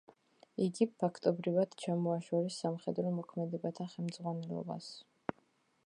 იგი, ფაქტობრივად, ჩამოაშორეს სამხედრო მოქმედებათა ხელმძღვანელობას.